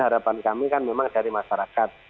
harapan kami kan memang dari masyarakat